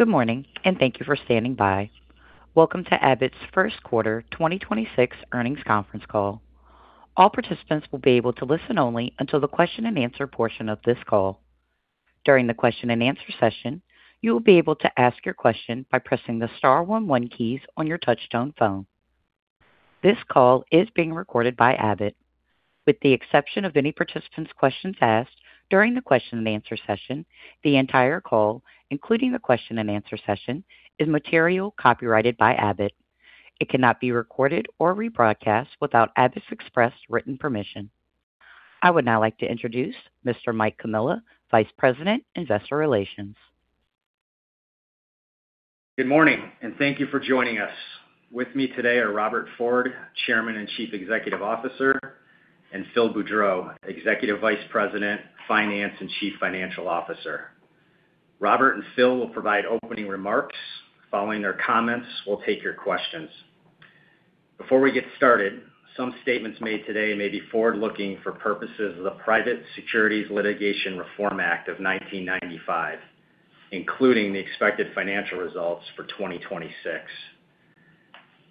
Good morning, and thank you for standing by. Welcome to Abbott's first quarter 2026 earnings conference call. All participants will be able to listen only until the question-and-answer portion of this call. During the question-and-answer session, you will be able to ask your question by pressing the star one one keys on your touchtone phone. This call is being recorded by Abbott. With the exception of any participant's questions asked during the question-and-answer session, the entire call, including the question-and-answer session, is material copyrighted by Abbott. It cannot be recorded or rebroadcast without Abbott's express written permission. I would now like to introduce Mr. Michael Comilla, Vice President, Investor Relations. Good morning, and thank you for joining us. With me today are Robert Ford, Chairman and Chief Executive Officer, and Phil Boudreau, Executive Vice President, Finance, and Chief Financial Officer. Robert and Phil will provide opening remarks. Following their comments, we'll take your questions. Before we get started, some statements made today may be forward-looking for purposes of the Private Securities Litigation Reform Act of 1995, including the expected financial results for 2026.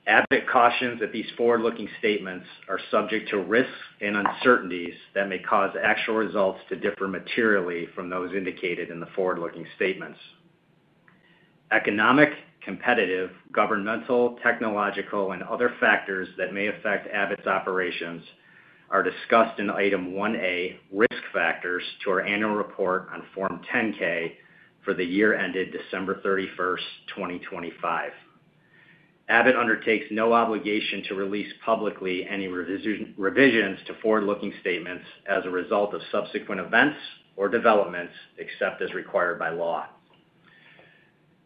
Abbott cautions that these forward-looking statements are subject to risks and uncertainties that may cause actual results to differ materially from those indicated in the forward-looking statements. Economic, competitive, governmental, technological, and other factors that may affect Abbott's operations are discussed in Item 1A Risk Factors to our annual report on Form 10-K for the year ended December 31st, 2025. Abbott undertakes no obligation to release publicly any revisions to forward-looking statements as a result of subsequent events or developments, except as required by law.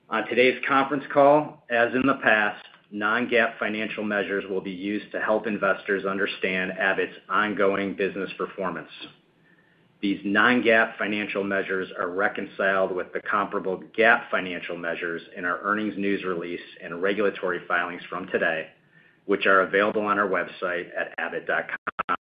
On today's conference call, as in the past, non-GAAP financial measures will be used to help investors understand Abbott's ongoing business performance. These non-GAAP financial measures are reconciled with the comparable GAAP financial measures in our earnings news release and regulatory filings from today, which are available on our website at abbott.com.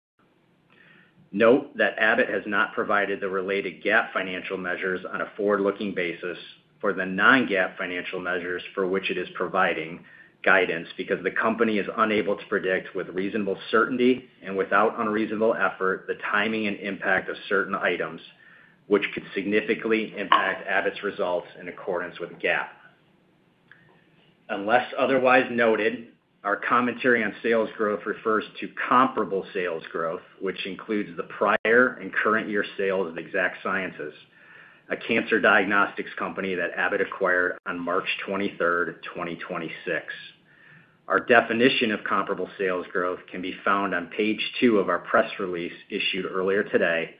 Note that Abbott has not provided the related GAAP financial measures on a forward-looking basis for the non-GAAP financial measures for which it is providing guidance, because the company is unable to predict with reasonable certainty and without unreasonable effort the timing and impact of certain items which could significantly impact Abbott's results in accordance with GAAP. Unless otherwise noted, our commentary on sales growth refers to comparable sales growth, which includes the prior and current year sales of Exact Sciences, a cancer diagnostics company that Abbott acquired on March 23rd, 2026. Our definition of comparable sales growth can be found on page two of our press release issued earlier today,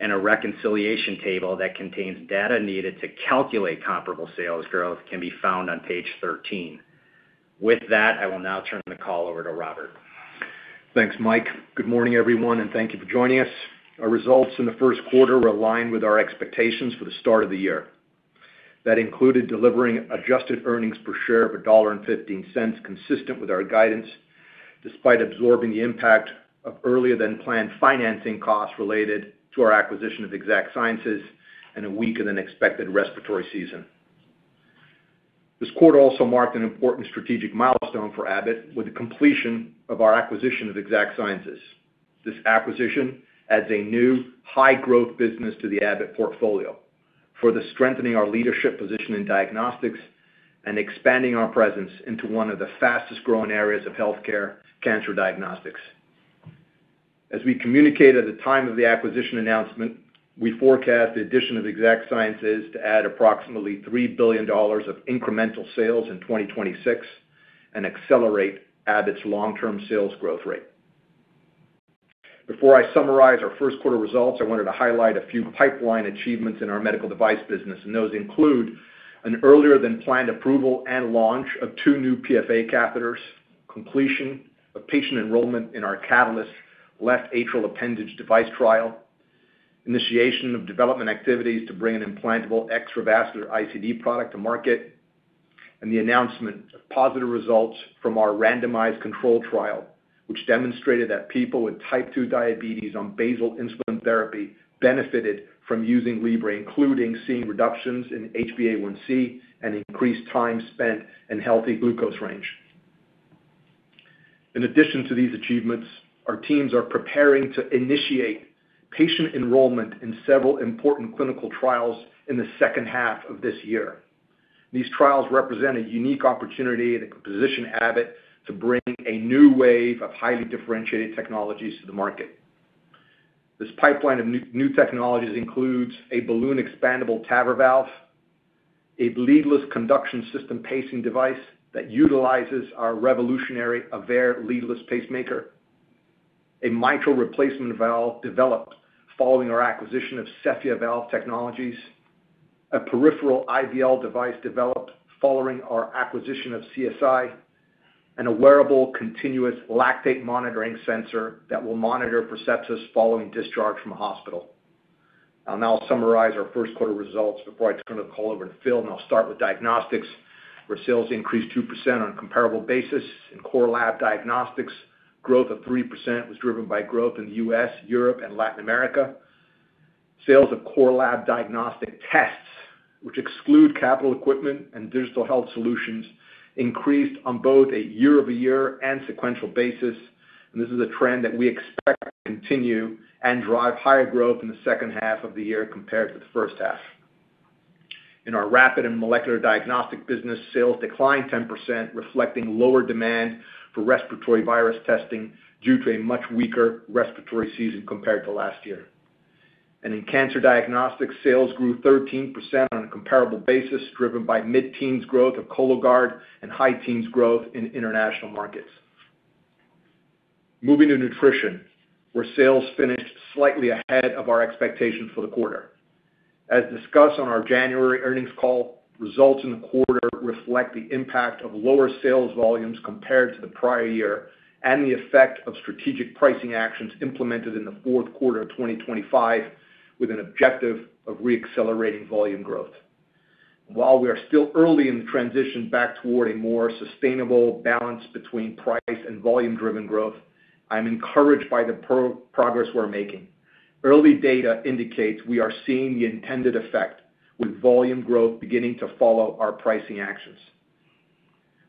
and a reconciliation table that contains data needed to calculate comparable sales growth can be found on page 13. With that, I will now turn the call over to Robert. Thanks, Michael. Good morning, everyone, and thank you for joining us. Our results in the first quarter were aligned with our expectations for the start of the year. That included delivering adjusted earnings per share of $1.15, consistent with our guidance, despite absorbing the impact of earlier than planned financing costs related to our acquisition of Exact Sciences and a weaker than expected respiratory season. This quarter also marked an important strategic milestone for Abbott with the completion of our acquisition of Exact Sciences. This acquisition adds a new high-growth business to the Abbott portfolio, further strengthening our leadership position in diagnostics and expanding our presence into one of the fastest-growing areas of healthcare, cancer diagnostics. As we communicated at the time of the acquisition announcement, we forecast the addition of Exact Sciences to add approximately $3 billion of incremental sales in 2026 and accelerate Abbott's long-term sales growth rate. Before I summarize our first quarter results, I wanted to highlight a few pipeline achievements in our medical device business, and those include an earlier than planned approval and launch of two new PFA catheters, completion of patient enrollment in our CATALYST left atrial appendage device trial, initiation of development activities to bring an implantable extravascular ICD product to market, and the announcement of positive results from our randomized controlled trial, which demonstrated that people with type 2 diabetes on basal insulin therapy benefited from using Libre, including seeing reductions in HbA1c and increased time spent in healthy glucose range. In addition to these achievements, our teams are preparing to initiate patient enrollment in several important clinical trials in the second half of this year. These trials represent a unique opportunity that can position Abbott to bring a new wave of highly differentiated technologies to the market. This pipeline of new technologies includes a balloon expandable TAVR valve, a leadless conduction system pacing device that utilizes our revolutionary AVEIR leadless pacemaker, a mitral replacement valve developed following our acquisition of Cephea Valve Technologies, a peripheral IVL device developed following our acquisition of CSI, and a wearable continuous lactate monitoring sensor that will monitor sepsis following discharge from hospital. I'll now summarize our first quarter results before I turn the call over to Phil, and I'll start with diagnostics, where sales increased 2% on a comparable basis in Core Lab Diagnostics. Growth of 3% was driven by growth in the U.S., Europe, and Latin America. Sales of Core Lab diagnostic tests, which exclude capital equipment and digital health solutions, increased on both a year-over-year and sequential basis, and this is a trend that we expect to continue and drive higher growth in the second half of the year compared to the first half. In our rapid and molecular diagnostics business, sales declined 10%, reflecting lower demand for respiratory virus testing due to a much weaker respiratory season compared to last year. In cancer diagnostics, sales grew 13% on a comparable basis, driven by mid-teens growth of Cologuard and high teens growth in international markets. Moving to nutrition, where sales finished slightly ahead of our expectations for the quarter. As discussed on our January earnings call, results in the quarter reflect the impact of lower sales volumes compared to the prior year and the effect of strategic pricing actions implemented in the fourth quarter of 2025, with an objective of re-accelerating volume growth. While we are still early in the transition back toward a more sustainable balance between price and volume-driven growth, I am encouraged by the progress we're making. Early data indicates we are seeing the intended effect, with volume growth beginning to follow our pricing actions.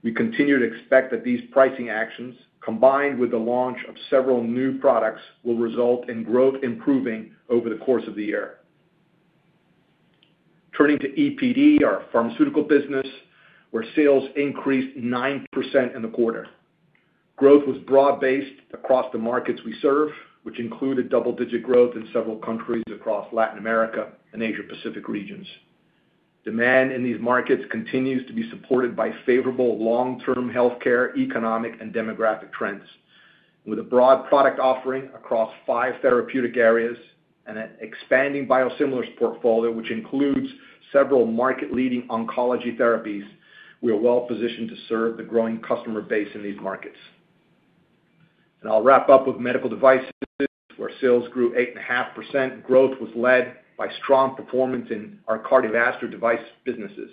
We continue to expect that these pricing actions, combined with the launch of several new products, will result in growth improving over the course of the year. Turning to EPD, our pharmaceutical business, where sales increased 9% in the quarter. Growth was broad-based across the markets we serve, which included double-digit growth in several countries across Latin America and Asia Pacific regions. Demand in these markets continues to be supported by favorable long-term healthcare, economic, and demographic trends. With a broad product offering across five therapeutic areas and an expanding biosimilars portfolio, which includes several market-leading oncology therapies, we are well-positioned to serve the growing customer base in these markets. I'll wrap up with medical devices, where sales grew 8.5%. Growth was led by strong performance in our cardiovascular device businesses.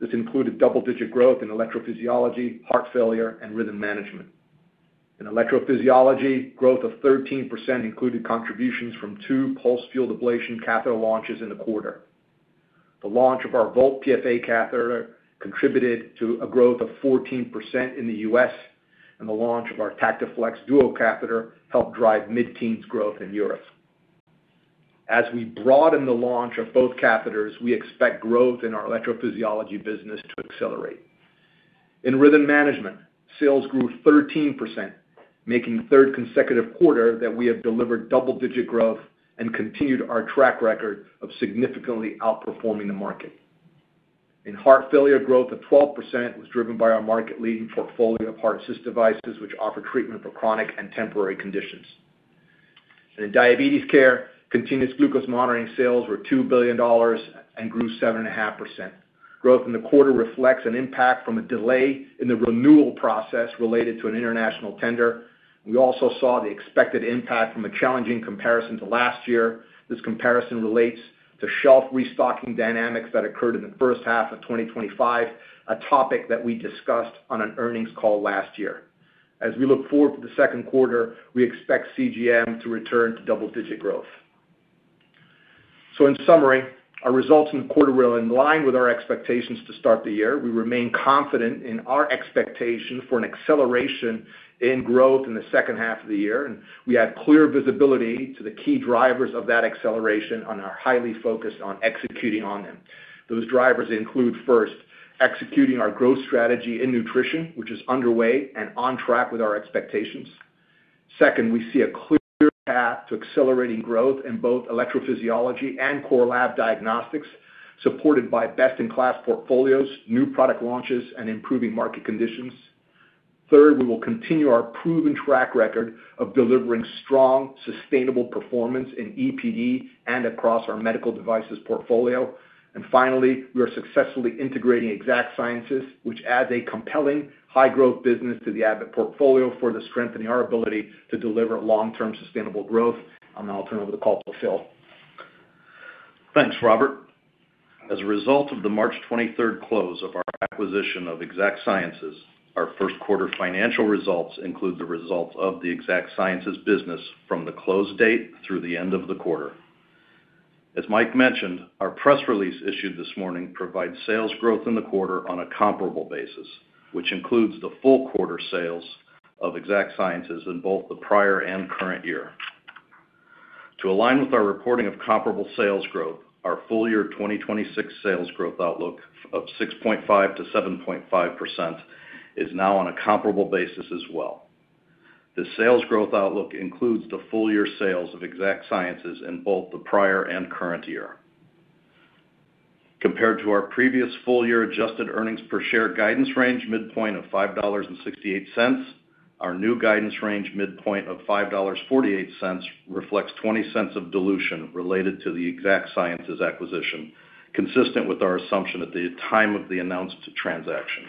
This included double-digit growth in electrophysiology, heart failure, and rhythm management. In electrophysiology, growth of 13% included contributions from two pulsed field ablation catheter launches in the quarter. The launch of our Volt PFA catheter contributed to a growth of 14% in the U.S., and the launch of our TactiFlex Duo Catheter helped drive mid-teens growth in Europe. As we broaden the launch of both catheters, we expect growth in our electrophysiology business to accelerate. In rhythm management, sales grew 13%, making the third consecutive quarter that we have delivered double-digit growth and continued our track record of significantly outperforming the market. In heart failure, growth of 12% was driven by our market-leading portfolio of heart assist devices, which offer treatment for chronic and temporary conditions. In diabetes care, continuous glucose monitoring sales were $2 billion and grew 7.5%. Growth in the quarter reflects an impact from a delay in the renewal process related to an international tender. We also saw the expected impact from a challenging comparison to last year. This comparison relates to shelf restocking dynamics that occurred in the first half of 2025, a topic that we discussed on an earnings call last year. As we look forward to the second quarter, we expect CGM to return to double-digit growth. In summary, our results in the quarter were in line with our expectations to start the year. We remain confident in our expectation for an acceleration in growth in the second half of the year. We have clear visibility to the key drivers of that acceleration and are highly focused on executing on them. Those drivers include, first, executing our growth strategy in nutrition, which is underway and on track with our expectations. Second, we see a clear path to accelerating growth in both electrophysiology and Core Lab diagnostics, supported by best-in-class portfolios, new product launches, and improving market conditions. Third, we will continue our proven track record of delivering strong, sustainable performance in EPD and across our medical devices portfolio. Finally, we are successfully integrating Exact Sciences, which adds a compelling high-growth business to the Abbott portfolio for strengthening our ability to deliver long-term sustainable growth. Now I'll turn over the call to Phil. Thanks, Robert. As a result of the March 23rd close of our acquisition of Exact Sciences, our first quarter financial results include the results of the Exact Sciences business from the close date through the end of the quarter. As Michael mentioned, our press release issued this morning provides sales growth in the quarter on a comparable basis, which includes the full quarter sales of Exact Sciences in both the prior and current year. To align with our reporting of comparable sales growth, our full year 2026 sales growth outlook of 6.5%-7.5% is now on a comparable basis as well. The sales growth outlook includes the full year sales of Exact Sciences in both the prior and current year. Compared to our previous full year adjusted earnings per share guidance range midpoint of $5.68, our new guidance range midpoint of $5.48 reflects $0.20 of dilution related to the Exact Sciences acquisition, consistent with our assumption at the time of the announced transaction.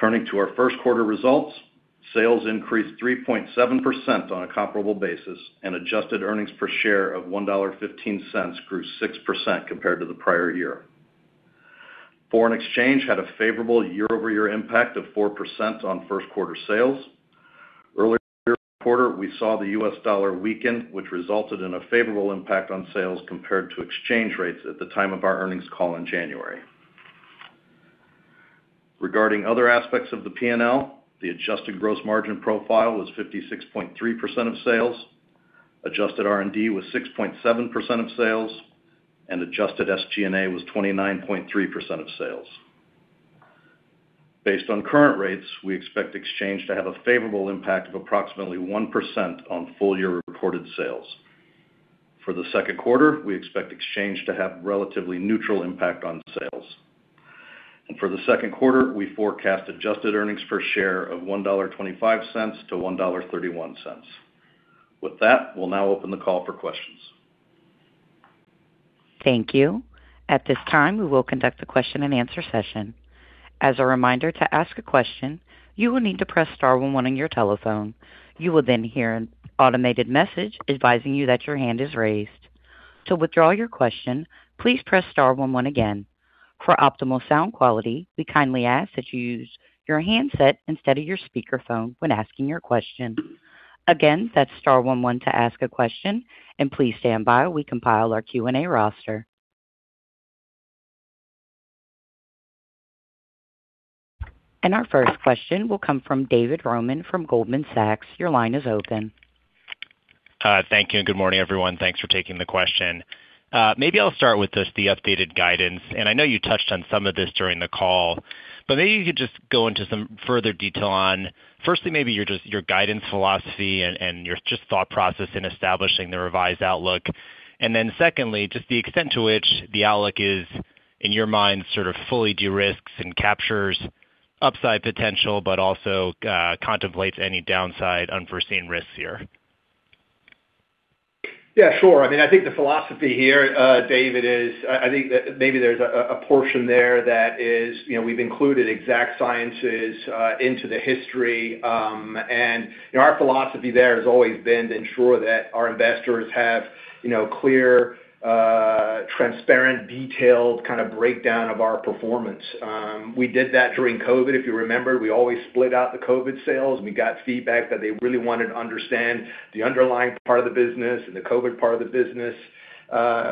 Turning to our first quarter results, sales increased 3.7% on a comparable basis, and adjusted earnings per share of $1.15 grew 6% compared to the prior year. Foreign exchange had a favorable year-over-year impact of 4% on first quarter sales. Earlier this quarter, we saw the U.S. dollar weaken, which resulted in a favorable impact on sales compared to exchange rates at the time of our earnings call in January. Regarding other aspects of the P&L, the adjusted gross margin profile was 56.3% of sales. Adjusted R&D was 6.7% of sales, and adjusted SG&A was 29.3% of sales. Based on current rates, we expect exchange to have a favorable impact of approximately 1% on full year reported sales. For the second quarter, we expect exchange to have relatively neutral impact on sales. For the second quarter, we forecast adjusted earnings per share of $1.25-$1.31. With that, we'll now open the call for questions. Thank you. At this time we will conduct a question-and-answer session. As a reminder, to ask a question, you will need to press star one one on your telephone. You will then hear an automated message advising you that your hand is raised. To withdraw your question, please press star one one again. For optimal sound quality, we kindly ask that you use your handset instead of your speakerphone when asking your question. Again, that's star one one to ask a question, and please stand by while we compile our Q and A roster. Our first question will come from David Roman from Goldman Sachs. Your line is open. Thank you, and good morning, everyone. Thanks for taking the question. Maybe I'll start with just the updated guidance, and I know you touched on some of this during the call, but maybe you could just go into some further detail on, firstly, maybe your guidance philosophy and your just thought process in establishing the revised outlook. Secondly, just the extent to which the outlook is, in your mind, sort of fully de-risks and captures upside potential, but also contemplates any downside unforeseen risks here. Yeah, sure. I think the philosophy here, David, is I think that maybe there's a portion there that is we've included Exact Sciences into the history, and our philosophy there has always been to ensure that our investors have clear, transparent, detailed kind of breakdown of our performance. We did that during COVID. If you remember, we always split out the COVID sales. We got feedback that they really wanted to understand the underlying part of the business and the COVID part of the business.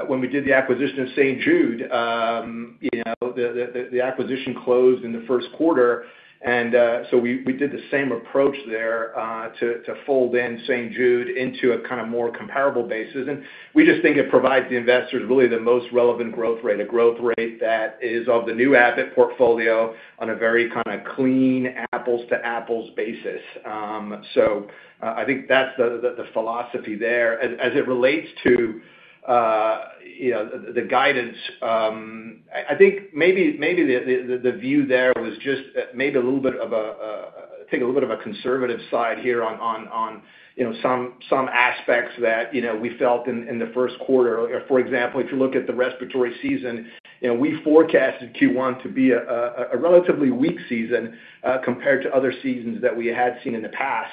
When we did the acquisition of St. Jude, the acquisition closed in the first quarter, and so we did the same approach there, to fold in St. Jude into a kind of more comparable basis. We just think it provides the investors really the most relevant growth rate, a growth rate that is of the new Abbott portfolio on a very kind of clean apples-to-apples basis. I think that's the philosophy there. As it relates to the guidance, I think maybe the view there was just maybe take a little bit of a conservative side here on some aspects that we felt in the first quarter. For example, if you look at the respiratory season, we forecasted Q1 to be a relatively weak season compared to other seasons that we had seen in the past.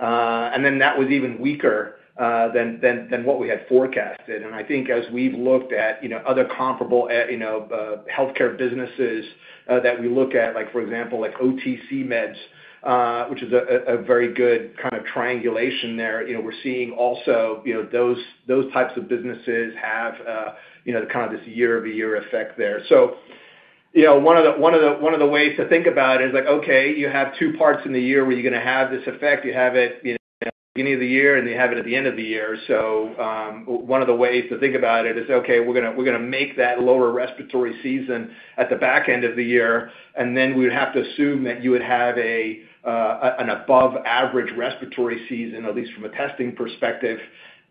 Then that was even weaker than what we had forecasted. I think as we've looked at other comparable healthcare businesses that we look at, like for example, like OTC meds, which is a very good kind of triangulation there. We're seeing also those types of businesses have this year-over-year effect there. One of the ways to think about it is like, okay, you have two parts in the year where you're going to have this effect. You have it at the beginning of the year, and you have it at the end of the year. One of the ways to think about it is, okay, we're going to make that lower respiratory season at the back end of the year, and then we would have to assume that you would have an above average respiratory season, at least from a testing perspective.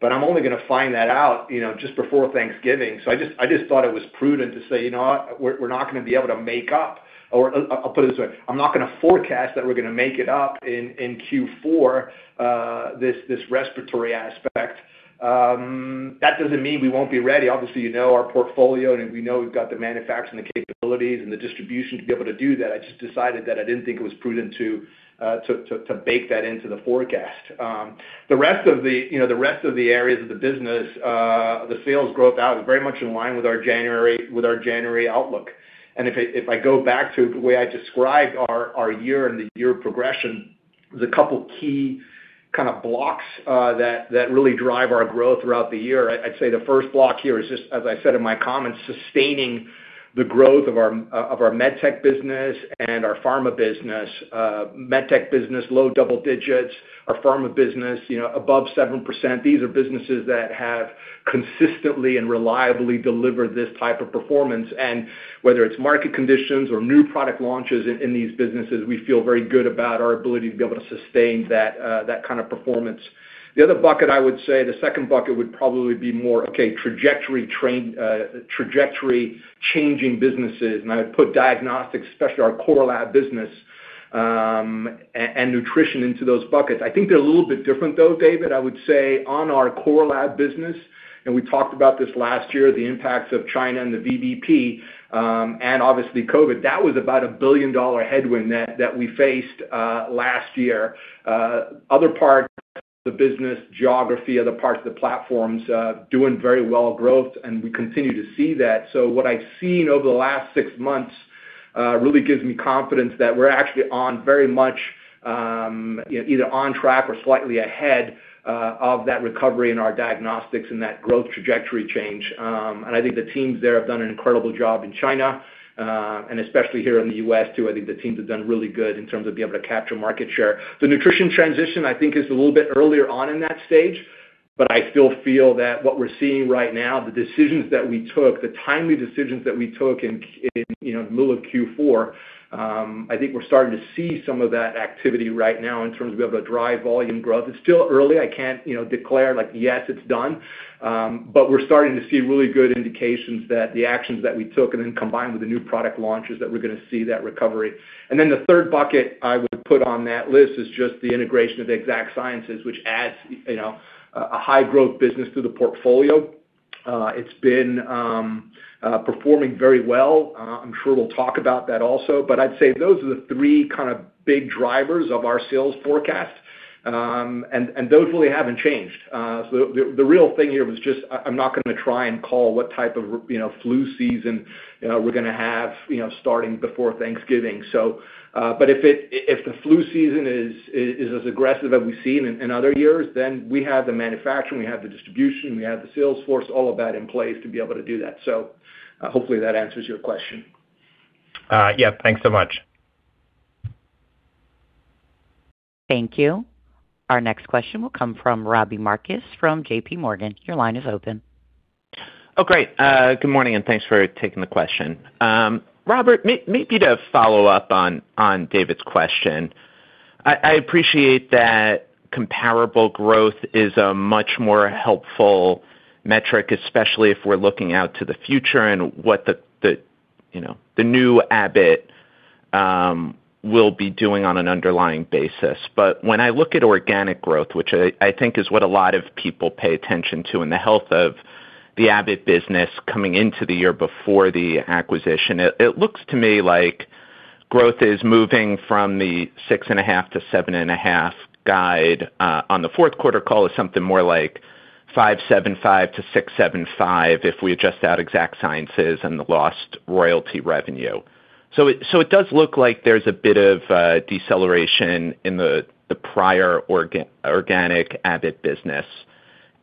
I'm only going to find that out just before Thanksgiving. I just thought it was prudent to say, you know what, we're not going to be able to make up or I'll put it this way, I'm not going to forecast that we're going to make it up in Q4, this respiratory aspect. That doesn't mean we won't be ready. Obviously, you know our portfolio, and we know we've got the manufacturing capabilities and the distribution to be able to do that. I just decided that I didn't think it was prudent to bake that into the forecast. The rest of the areas of the business, the sales growth out was very much in line with our January outlook. If I go back to the way I described our year and the year progression, the couple of key kind of blocks that really drive our growth throughout the year, I'd say the first block here is just, as I said in my comments, sustaining the growth of our med tech business and our pharma business. Med tech business, low double digits, our pharma business above 7%. These are businesses that have consistently and reliably delivered this type of performance. Whether it's market conditions or new product launches in these businesses, we feel very good about our ability to be able to sustain that kind of performance. The other bucket, I would say, the second bucket would probably be more, okay, trajectory-changing businesses. I would put diagnostics, especially our Core Laboratory business and nutrition into those buckets. I think they're a little bit different though, David. I would say on our core lab business, and we talked about this last year, the impacts of China and the VBP, and obviously COVID, that was about a billion-dollar headwind that we faced last year. Other parts of the business, geography, other parts of the platforms, doing very well growth, and we continue to see that. What I've seen over the last six months really gives me confidence that we're actually on very much either on track or slightly ahead of that recovery in our diagnostics and that growth trajectory change. I think the teams there have done an incredible job in China, and especially here in the U.S. too. I think the teams have done really good in terms of being able to capture market share. The nutrition transition, I think, is a little bit earlier on in that stage, but I still feel that what we're seeing right now, the decisions that we took, the timely decisions that we took in the middle of Q4, I think we're starting to see some of that activity right now in terms of being able to drive volume growth. It's still early. I can't declare like, "Yes, it's done." We're starting to see really good indications that the actions that we took, and then combined with the new product launches, that we're going to see that recovery. The third bucket I would put on that list is just the integration of Exact Sciences, which adds a high growth business to the portfolio. It's been performing very well. I'm sure we'll talk about that also. I'd say those are the three kind of big drivers of our sales forecast. Those really haven't changed. The real thing here was just, I'm not going to try and call what type of flu season we're going to have starting before Thanksgiving. If the flu season is as aggressive as we've seen in other years, then we have the manufacturing, we have the distribution, we have the sales force, all of that in place to be able to do that. Hopefully that answers your question. Yeah. Thanks so much. Thank you. Our next question will come from Robbie Marcus from JPMorgan. Your line is open. Oh, great. Good morning, and thanks for taking the question. Robert, maybe to follow up on David's question. I appreciate that comparable growth is a much more helpful metric, especially if we're looking out to the future and what the new Abbott will be doing on an underlying basis. When I look at organic growth, which I think is what a lot of people pay attention to in the health of the Abbott business coming into the year before the acquisition, it looks to me like growth is moving from the 6.5%-7.5% guide on the fourth quarter call to something more like 5.75%-6.75% if we adjust out Exact Sciences and the lost royalty revenue. It does look like there's a bit of deceleration in the prior organic Abbott business.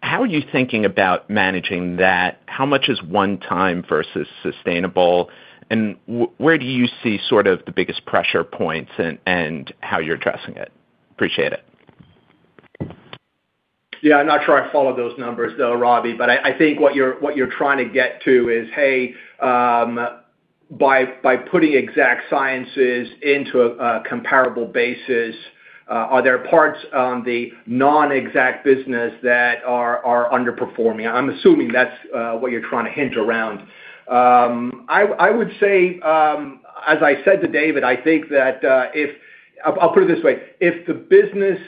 How are you thinking about managing that? How much is one time versus sustainable? Where do you see sort of the biggest pressure points and how you're addressing it? Appreciate it. Yeah, I'm not sure I follow those numbers though, Robbie, but I think what you're trying to get to is, hey, by putting Exact Sciences into a comparable basis, are there parts of the non-exact business that are underperforming? I'm assuming that's what you're trying to hint around. I would say, as I said to David, I think that if. I'll put it this way, if the business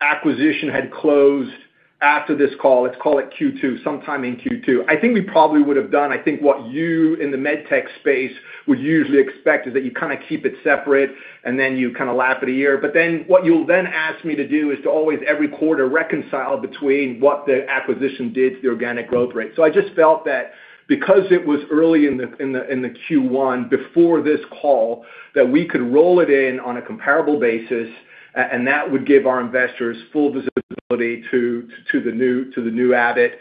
acquisition had closed after this call, let's call it Q2, sometime in Q2, I think we probably would have done, I think, what you in the med tech space would usually expect, is that you kind of keep it separate and then you kind of lap it a year. But then what you'll then ask me to do is to always every quarter reconcile between what the acquisition did to the organic growth rate. I just felt that because it was early in the Q1 before this call, that we could roll it in on a comparable basis, and that would give our investors full visibility to the new Abbott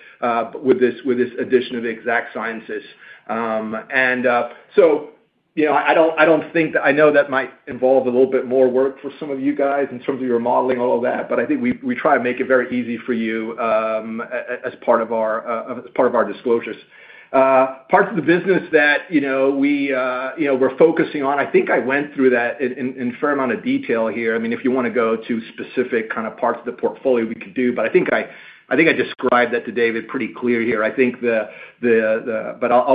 with this addition of Exact Sciences. I know that might involve a little bit more work for some of you guys in terms of your modeling, all of that. I think we try to make it very easy for you as part of our disclosures. Parts of the business that we're focusing on, I think I went through that in a fair amount of detail here. If you want to go to specific parts of the portfolio, we could do, but I think I described that to David pretty clear here. I'll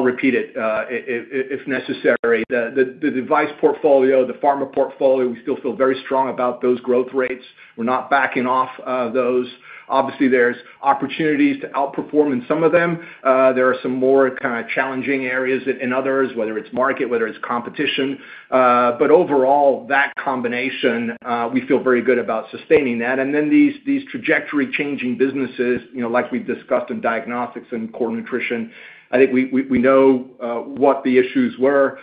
repeat it if necessary. The device portfolio, the pharma portfolio, we still feel very strong about those growth rates. We're not backing off of those. Obviously, there's opportunities to outperform in some of them. There are some more kind of challenging areas in others, whether it's market, whether it's competition. Overall, that combination, we feel very good about sustaining that. These trajectory-changing businesses like we've discussed in diagnostics and core nutrition, I think we know what the issues were.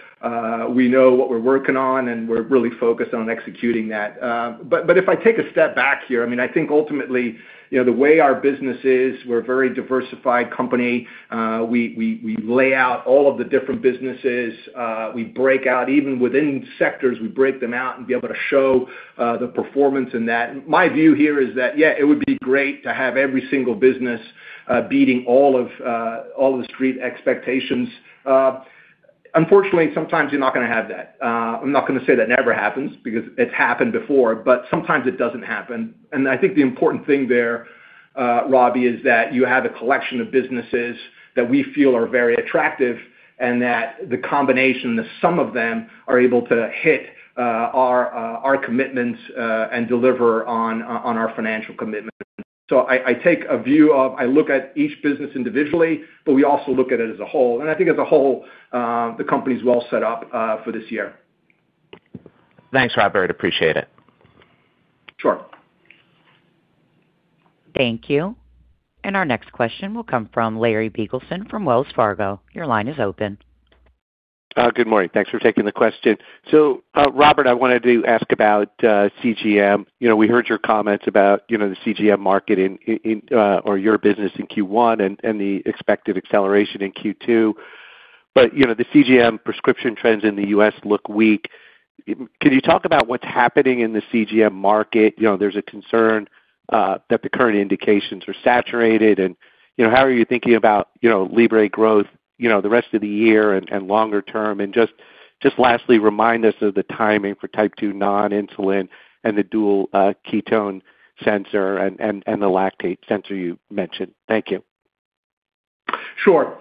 We know what we're working on, and we're really focused on executing that. If I take a step back here, I think ultimately, the way our business is, we're a very diversified company. We lay out all of the different businesses. We break out even within sectors, we break them out and be able to show the performance in that. My view here is that, yeah, it would be great to have every single business beating all of the street expectations. Unfortunately, sometimes you're not going to have that. I'm not going to say that never happens because it's happened before, but sometimes it doesn't happen. I think the important thing there, Robbie, is that you have a collection of businesses that we feel are very attractive, and that the combination, the sum of them, are able to hit our commitments and deliver on our financial commitments. I take a view of, I look at each business individually, but we also look at it as a whole. I think as a whole, the company's well set up for this year. Thanks, Robert. Appreciate it. Sure. Thank you. Our next question will come from Larry Biegelsen from Wells Fargo. Your line is open. Good morning. Thanks for taking the question. Robert, I wanted to ask about CGM. We heard your comments about the CGM market or your business in Q1 and the expected acceleration in Q2. The CGM prescription trends in the U.S. look weak. Can you talk about what's happening in the CGM market? There's a concern that the current indications are saturated, and how are you thinking about Libre growth the rest of the year and longer term? Just lastly, remind us of the timing for type 2 non-insulin and the dual ketone sensor and the lactate sensor you mentioned. Thank you. Sure.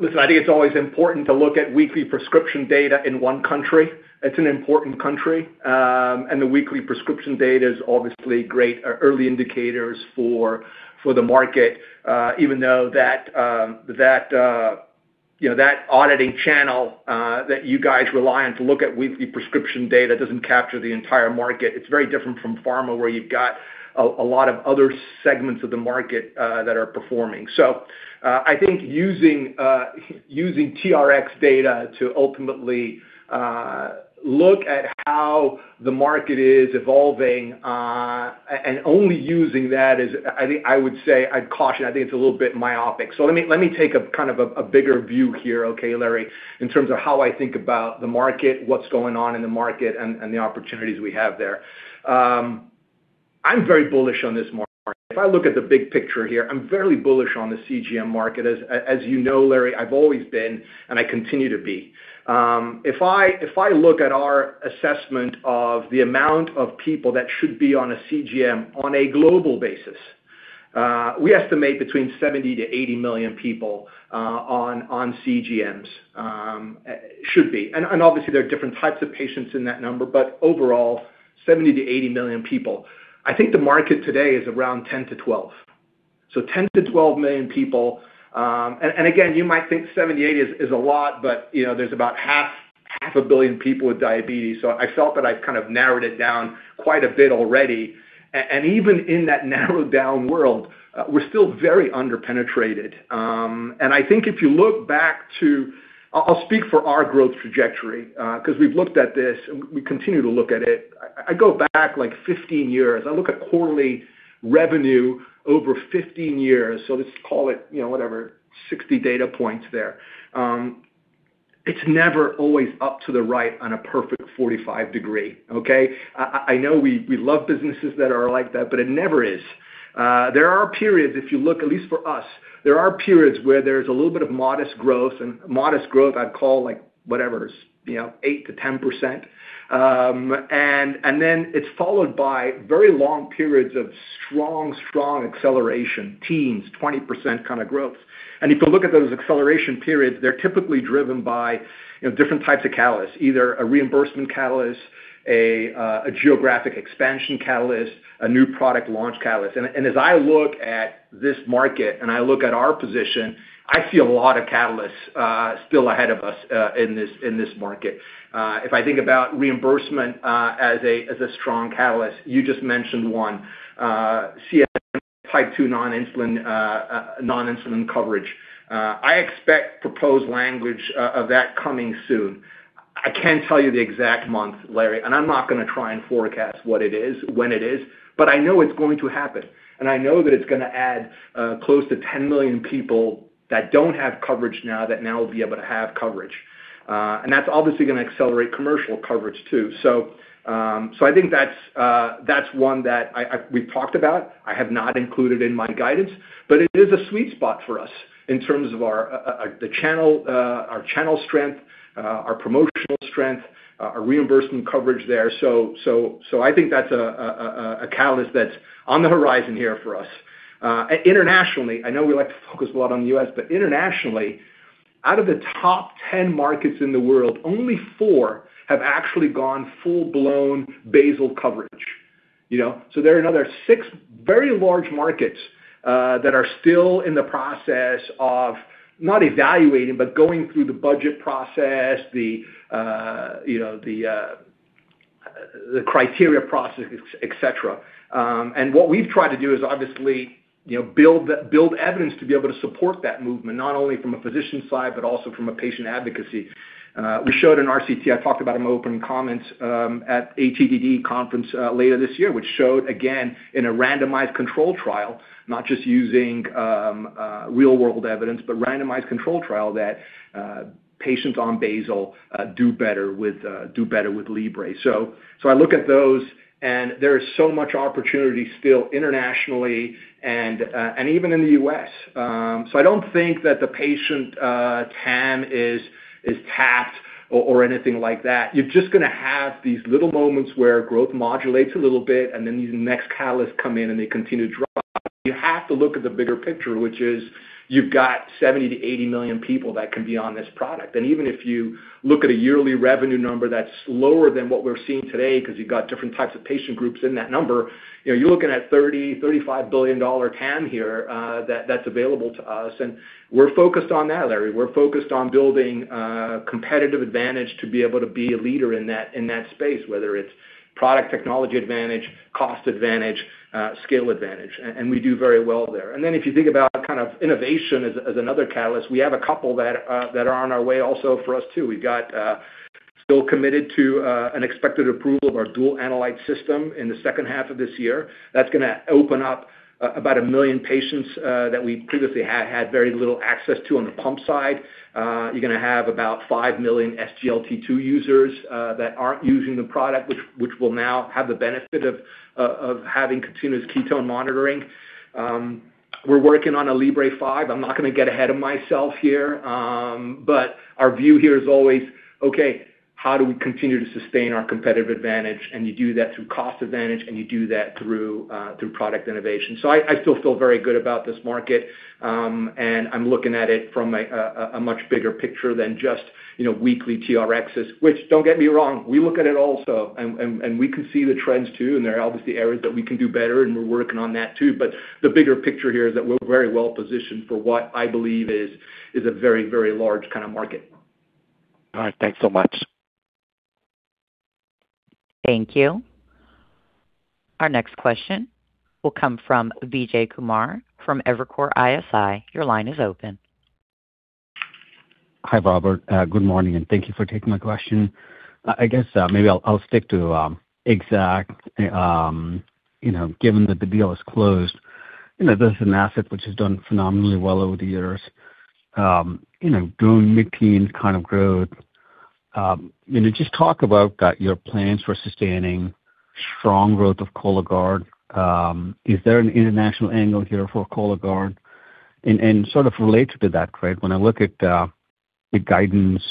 Listen, I think it's always important to look at weekly prescription data in one country. It's an important country. The weekly prescription data is obviously great early indicators for the market. Even though that auditing channel, that you guys rely on to look at weekly prescription data doesn't capture the entire market. It's very different from pharma where you've got a lot of other segments of the market that are performing. I think using TRX data to ultimately look at how the market is evolving, and only using that is, I would say, I'd caution, I think it's a little bit myopic. Let me take a kind of a bigger view here, okay, Larry, in terms of how I think about the market, what's going on in the market, and the opportunities we have there. I'm very bullish on this market. If I look at the big picture here, I'm very bullish on the CGM market. As you know, Larry, I've always been, and I continue to be. If I look at our assessment of the amount of people that should be on a CGM on a global basis, we estimate between 70-80 million people on CGMs should be. Obviously, there are different types of patients in that number, but overall, 70-80 million people. I think the market today is around 10-12. So 10-12 million people. Again, you might think 78 is a lot, but there's about 500 million people with diabetes, so I felt that I've kind of narrowed it down quite a bit already. Even in that narrowed down world, we're still very under-penetrated. I think if you look back to. I'll speak for our growth trajectory, because we've looked at this, and we continue to look at it. I go back, like, 15 years. I look at quarterly revenue over 15 years. So let's call it, whatever, 60 data points there. It's never always up to the right on a perfect 45-degree, okay? I know we love businesses that are like that, but it never is. There are periods, if you look, at least for us, there are periods where there's a little bit of modest growth. Modest growth I'd call, like, whatever is 8%-10%. Then it's followed by very long periods of strong acceleration, teens, 20% kind of growth. If you look at those acceleration periods, they're typically driven by different types of catalysts. Either a reimbursement catalyst, a geographic expansion catalyst, a new product launch catalyst. As I look at this market, and I look at our position, I see a lot of catalysts still ahead of us in this market. If I think about reimbursement as a strong catalyst. You just mentioned one, CGM type 2 non-insulin coverage. I expect proposed language of that coming soon. I can't tell you the exact month, Larry, and I'm not going to try and forecast what it is, when it is, but I know it's going to happen. I know that it's going to add close to 10 million people that don't have coverage now that now will be able to have coverage. That's obviously going to accelerate commercial coverage, too. I think that's one that we've talked about. I have not included in my guidance, but it is a sweet spot for us in terms of our channel strength, our promotional strength, our reimbursement coverage there. So I think that's a catalyst that's on the horizon here for us. Internationally, I know we like to focus a lot on the U.S., but internationally, out of the top 10 markets in the world, only four have actually gone full-blown basal coverage. So there are another six very large markets that are still in the process of not evaluating, but going through the budget process, the criteria process, et cetera. What we've tried to do is obviously build evidence to be able to support that movement, not only from a physician side, but also from a patient advocacy. We showed an RCT I talked about in my opening comments at ATTD conference later this year, which showed again in a randomized control trial, not just using real world evidence, but randomized control trial that patients on basal do better with Libre. I look at those, and there is so much opportunity still internationally and even in the U.S. I don't think that the patient TAM is tapped or anything like that. You're just going to have these little moments where growth modulates a little bit, and then these next catalysts come in, and they continue to drop. You have to look at the bigger picture, which is you've got 70-80 million people that can be on this product. Even if you look at a yearly revenue number that's lower than what we're seeing today, because you've got different types of patient groups in that number, you're looking at a $30-$35 billion TAM here that's available to us, and we're focused on that, Larry. We're focused on building competitive advantage to be able to be a leader in that space, whether it's product technology advantage, cost advantage, scale advantage, and we do very well there. If you think about innovation as another catalyst, we have a couple that are on our way also for us too. We're still committed to an expected approval of our dual analyte system in the second half of this year. That's going to open up about a million patients that we previously had very little access to on the pump side. You're going to have about 5 million SGLT2 users that aren't using the product, which will now have the benefit of having continuous ketone monitoring. We're working on a Libre 5. I'm not going to get ahead of myself here, but our view here is always, okay, how do we continue to sustain our competitive advantage? You do that through cost advantage, and you do that through product innovation. I still feel very good about this market. I'm looking at it from a much bigger picture than just weekly TRXs, which don't get me wrong, we look at it also. We can see the trends too, and there are obviously areas that we can do better, and we're working on that too. The bigger picture here is that we're very well positioned for what I believe is a very large kind of market. All right. Thanks so much. Thank you. Our next question will come from Vijay Kumar from Evercore ISI. Your line is open. Hi, Robert. Good morning, and thank you for taking my question. I guess maybe I'll stick to Exact, given that the deal is closed. This is an asset which has done phenomenally well over the years during mid-teens kind of growth. Just talk about your plans for sustaining strong growth of Cologuard. Is there an international angle here for Cologuard? Sort of related to that, when I look at the guidance,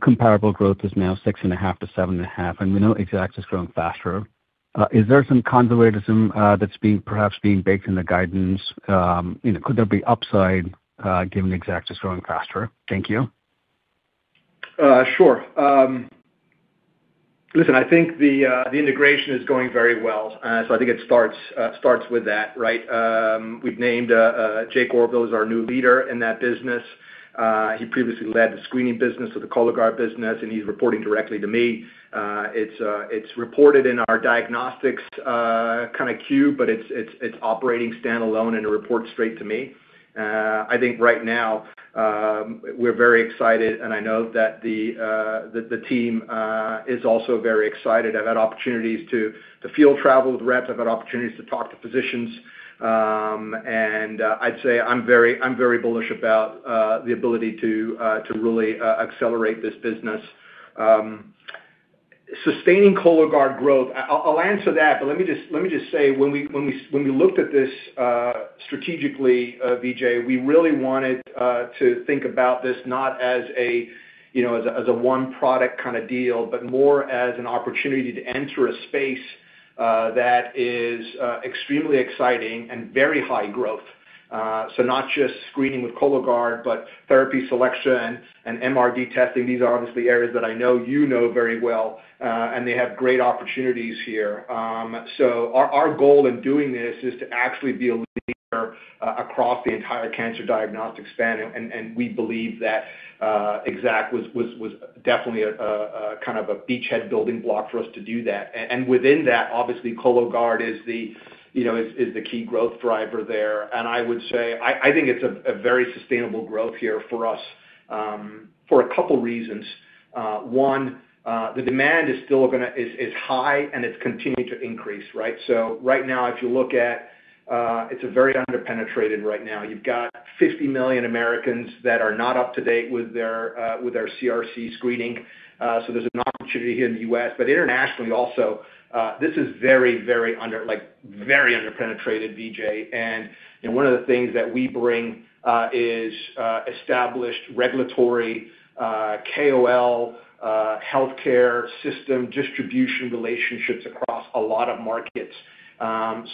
comparable growth is now 6.5%-7.5%, and we know Exact is growing faster. Is there some consolidation that's perhaps being baked in the guidance? Could there be upside given Exact is growing faster? Thank you. Sure. Listen, I think the integration is going very well. I think it starts with that, right? We've named Jake Orville as our new leader in that business. He previously led the screening business or the Cologuard business, and he's reporting directly to me. It's reported in our Diagnostics kind of Q, but it's operating standalone and it reports straight to me. I think right now, we're very excited, and I know that the team is also very excited. I've had opportunities to field travel with reps. I've had opportunities to talk to physicians. I'd say I'm very bullish about the ability to really accelerate this business. Sustaining Cologuard growth, I'll answer that, but let me just say, when we looked at this strategically, Vijay, we really wanted to think about this not as a one product kind of deal, but more as an opportunity to enter a space that is extremely exciting and very high growth. Not just screening with Cologuard, but therapy selection and MRD testing. These are obviously areas that I know you know very well, and they have great opportunities here. Our goal in doing this is to actually be a leader across the entire cancer diagnostic span, and we believe that Exact was definitely a kind of a beachhead building block for us to do that. Within that, obviously, Cologuard is the key growth driver there. I would say, I think it's a very sustainable growth here for us for a couple reasons. One, the demand is high, and it's continuing to increase, right? Right now, if you look at it's very under-penetrated right now. You've got 50 million Americans that are not up to date with their CRC screening. There's an opportunity here in the U.S., but internationally also, this is very under-penetrated, Vijay. One of the things that we bring is established regulatory KOL healthcare system distribution relationships across a lot of markets.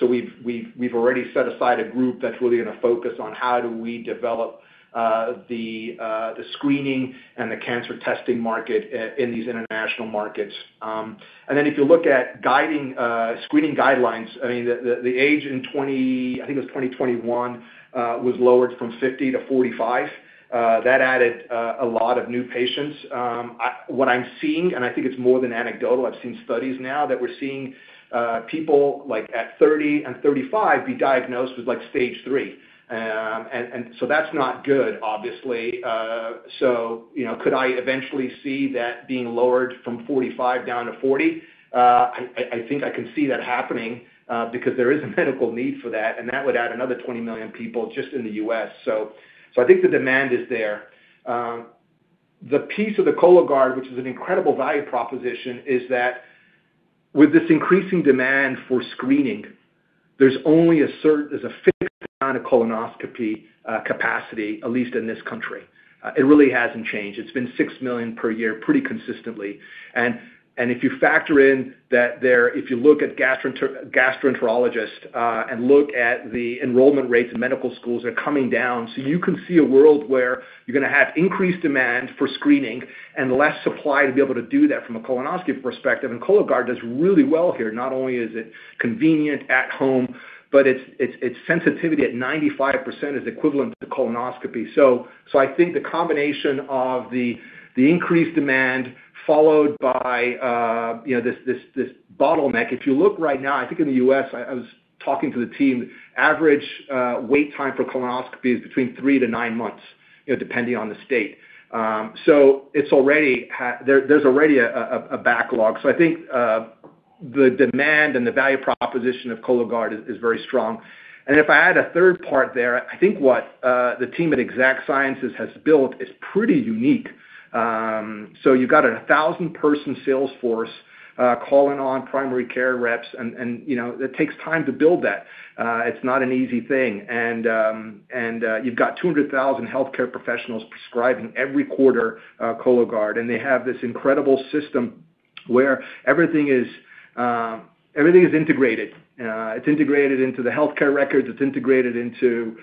We've already set aside a group that's really going to focus on how do we develop the screening and the cancer testing market in these international markets. If you look at screening guidelines, the age in 2021 was lowered from 50 to 45. That added a lot of new patients. What I'm seeing, and I think it's more than anecdotal, I've seen studies now that we're seeing people at 30 and 35 be diagnosed with stage three. That's not good, obviously. Could I eventually see that being lowered from 45 down to 40? I think I can see that happening because there is a medical need for that, and that would add another 20 million people just in the U.S. I think the demand is there. The piece of the Cologuard, which is an incredible value proposition, is that with this increasing demand for screening, there's only a fixed amount of colonoscopy capacity, at least in this country. It really hasn't changed. It's been 6 million per year pretty consistently. If you factor in that there, if you look at gastroenterologists and look at the enrollment rates in medical schools, they're coming down. You can see a world where you're going to have increased demand for screening and less supply to be able to do that from a colonoscopy perspective. Cologuard does really well here. Not only is it convenient at home, but its sensitivity at 95% is equivalent to colonoscopy. I think the combination of the increased demand followed by this bottleneck if you look right now. I think in the U.S., I was talking to the team, average wait time for colonoscopy is between three to nine months, depending on the state. There's already a backlog. I think the demand and the value proposition of Cologuard is very strong. If I add a third part there, I think what the team at Exact Sciences has built is pretty unique. You've got 1,000-person sales force calling on primary care reps, and it takes time to build that. It's not an easy thing. You've got 200,000 healthcare professionals prescribing every quarter Cologuard, and they have this incredible system where everything is integrated. It's integrated into the healthcare records. It's integrated into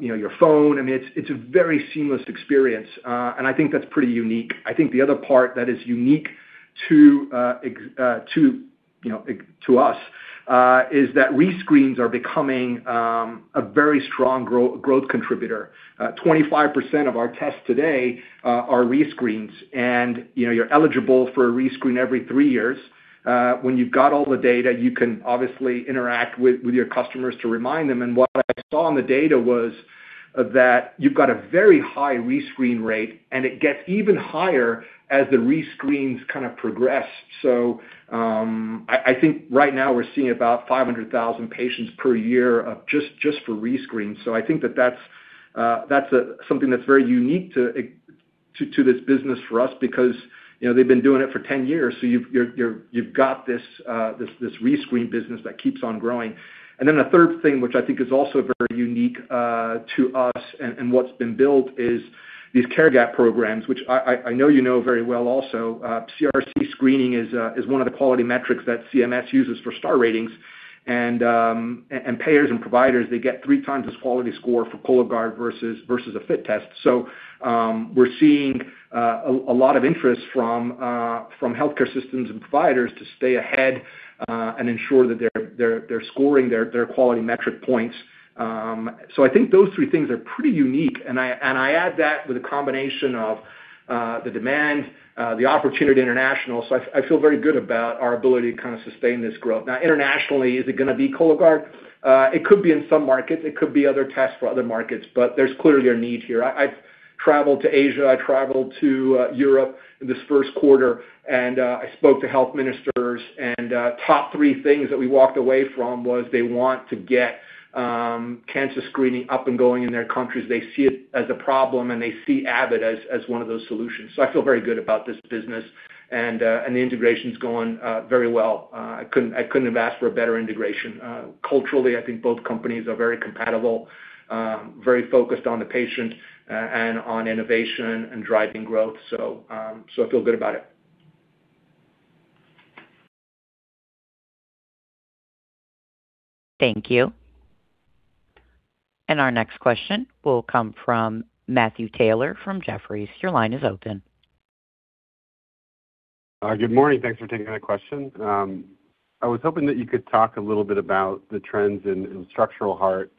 your phone. It's a very seamless experience. I think that's pretty unique. I think the other part that is unique to us is that rescreens are becoming a very strong growth contributor. 25% of our tests today are rescreens, and you're eligible for a rescreen every three years. When you've got all the data, you can obviously interact with your customers to remind them. What I saw in the data was that you've got a very high rescreen rate, and it gets even higher as the rescreens kind of progress. I think right now we're seeing about 500,000 patients per year just for rescreen. I think that's something that's very unique to this business for us because they've been doing it for 10 years, so you've got this rescreen business that keeps on growing. The third thing, which I think is also very unique to us and what's been built is these care gap programs, which I know you know very well also. CRC screening is one of the quality metrics that CMS uses for star ratings. Payers and providers, they get three times this quality score for Cologuard versus a fit test. We're seeing a lot of interest from healthcare systems and providers to stay ahead and ensure that they're scoring their quality metric points. I think those three things are pretty unique, and I add that with a combination of the demand, the opportunity internationally. I feel very good about our ability to kind of sustain this growth. Now, internationally, is it going to be Cologuard? It could be in some markets. It could be other tests for other markets, but there's clearly a need here. I've traveled to Asia, I traveled to Europe this first quarter, and I spoke to health ministers, and top three things that we walked away from was they want to get cancer screening up and going in their countries. They see it as a problem, and they see Abbott as one of those solutions. I feel very good about this business. The integration is going very well. I couldn't have asked for a better integration. Culturally, I think both companies are very compatible, very focused on the patient and on innovation and driving growth. I feel good about it. Thank you. Our next question will come from Matthew Taylor from Jefferies. Your line is open. Good morning. Thanks for taking the question. I was hoping that you could talk a little bit about the trends in structural heart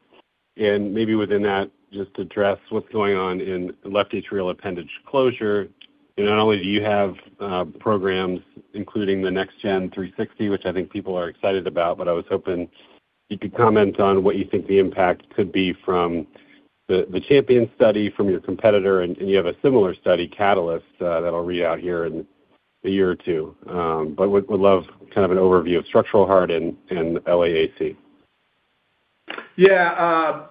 and maybe within that, just address what's going on in left atrial appendage closure. Not only do you have programs, including the Amulet 360, which I think people are excited about, but I was hoping you could comment on what you think the impact could be from the CHAMPION-AF study from your competitor, and you have a similar study, CATALYST, that'll read out here in a year or two. Would love kind of an overview of structural heart and LAAC. Yeah.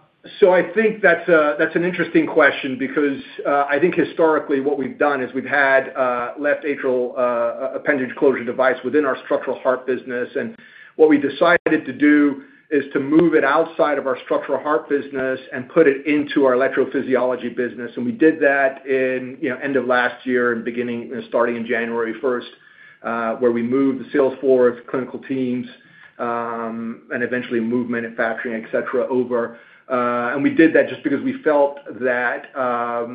I think that's an interesting question because I think historically what we've done is we've had a left atrial appendage closure device within our Structural Heart business. What we decided to do is to move it outside of our Structural Heart business and put it into our electrophysiology business. We did that in end of last year and starting in January 1st where we moved the sales force, clinical teams, and eventually moved manufacturing, et cetera, over. We did that just because we felt that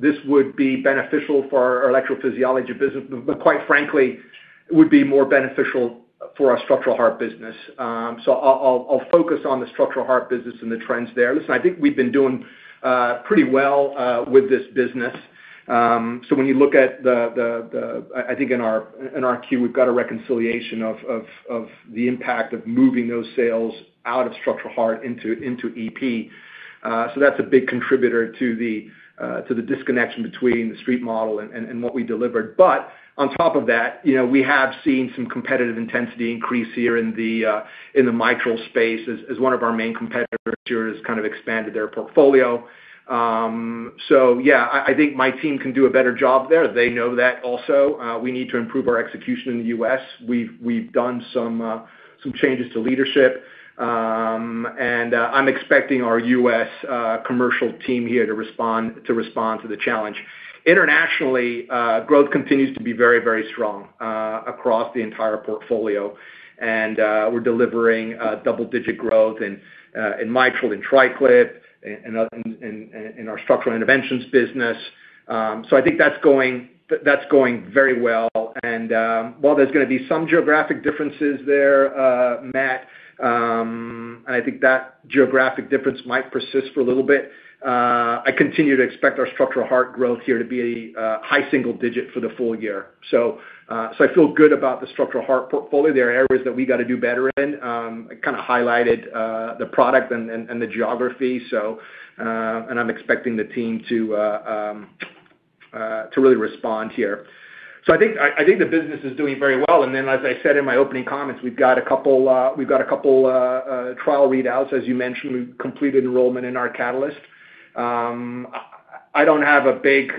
this would be beneficial for our electrophysiology business. Quite frankly, it would be more beneficial for our Structural Heart business. I'll focus on the Structural Heart business and the trends there. Listen, I think we've been doing pretty well with this business. When you look at the, I think in our Q, we've got a reconciliation of the impact of moving those sales out of structural heart into EP. That's a big contributor to the disconnection between the street model and what we delivered. On top of that, we have seen some competitive intensity increase here in the mitral space as one of our main competitors kind of expanded their portfolio. Yeah, I think my team can do a better job there. They know that also. We need to improve our execution in the U.S. We've done some changes to leadership. I'm expecting our U.S. commercial team here to respond to the challenge. Internationally, growth continues to be very, very strong across the entire portfolio. We're delivering double-digit growth in mitral, in TriClip, in our structural interventions business. I think that's going very well. While there's going to be some geographic differences there, Matt, I think that geographic difference might persist for a little bit. I continue to expect our structural heart growth here to be high single-digit% for the full year. I feel good about the structural heart portfolio. There are areas that we got to do better in. I kind of highlighted the product and the geography, and I'm expecting the team to really respond here. I think the business is doing very well. As I said in my opening comments, we've got a couple trial readouts. As you mentioned, we've completed enrollment in our Catalyst. I don't have a big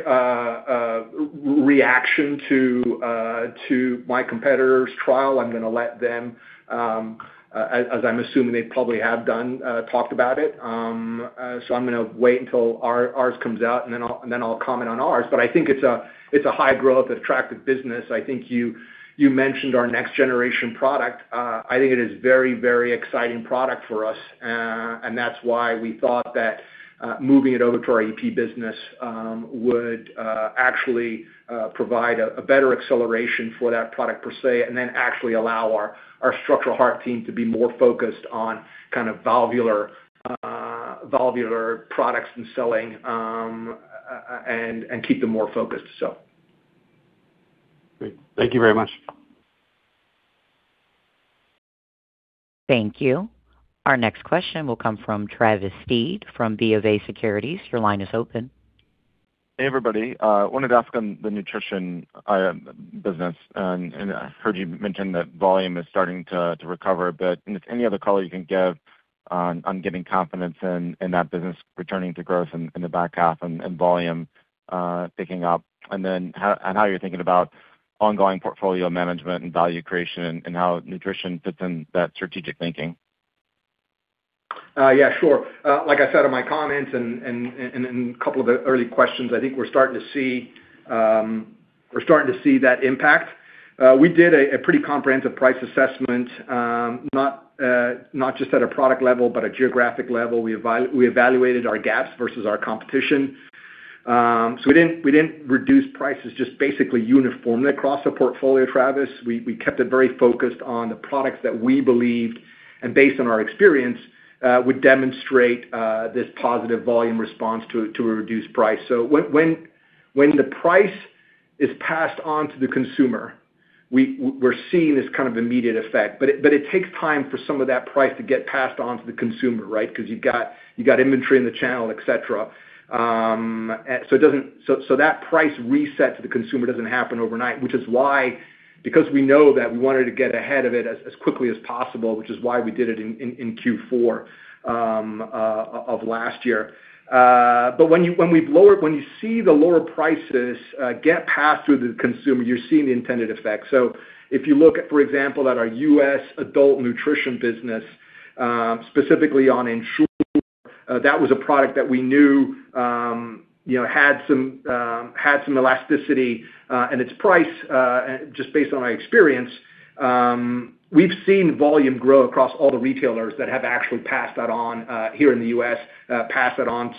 reaction to my competitor's trial. I'm going to let them, as I'm assuming they probably have done, talk about it. I'm going to wait until ours comes out and then I'll comment on ours. I think it's a high growth, attractive business. I think you mentioned our next generation product. I think it is very exciting product for us. That's why we thought that moving it over to our EP business would actually provide a better acceleration for that product per se, and then actually allow our structural heart team to be more focused on kind of valvular products and selling, and keep them more focused so. Great. Thank you very much. Thank you. Our next question will come from Travis Steed from BofA Securities. Your line is open. Hey, everybody. I wanted to ask on the nutrition item business, and I heard you mention that volume is starting to recover a bit. If any other color you can give on giving confidence in that business returning to growth in the back half and volume picking up, and then how you're thinking about ongoing portfolio management and value creation and how Nutrition fits in that strategic thinking. Yeah, sure. Like I said in my comments and in a couple of the early questions, I think we're starting to see that impact. We did a pretty comprehensive price assessment, not just at a product level, but a geographic level. We evaluated our gaps versus our competition. We didn't reduce prices just basically uniformly across the portfolio, Travis. We kept it very focused on the products that we believed, and based on our experience, would demonstrate this positive volume response to a reduced price. When the price is passed on to the consumer, we're seeing this kind of immediate effect. It takes time for some of that price to get passed on to the consumer, right? Because you've got inventory in the channel, et cetera. That price reset to the consumer doesn't happen overnight, which is why, because we know that we wanted to get ahead of it as quickly as possible, which is why we did it in Q4 of last year. When you see the lower prices get passed through to the consumer, you're seeing the intended effect. If you look, for example, at our U.S. adult nutrition business, specifically on Ensure, that was a product that we knew had some elasticity in its price, just based on our experience. We've seen volume grow across all the retailers that have actually passed that on here in the U.S., pass that on